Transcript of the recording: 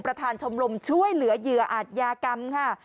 ชมรมช่วยเหลือเหยื่ออาจยากรรมค่ะ